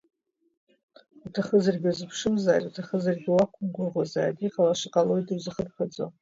Уҭахызаргьы уазыԥшымзааит, уҭахызаргьы уақәымгәыӷуазааит, иҟалаша ҟалоит, иузахырԥаӡом…